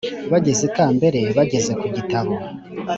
bageze ikambere, bageze ku gitabo,